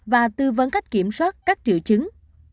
và tư vấn cách kiểm soát các triệu chứng